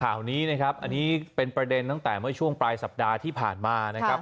ข่าวนี้นะครับอันนี้เป็นประเด็นตั้งแต่เมื่อช่วงปลายสัปดาห์ที่ผ่านมานะครับ